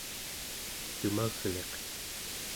tumagliq